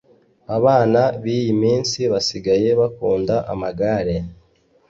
Abana biyiminsi basigaye bakunda amagare